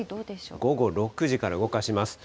午後６時から動かします。